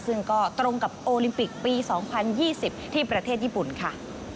ซึ่งก็ตรงกับโอลิมปิกปี๒๐๒๐ที่ประเทศญี่ปุ่นค่ะ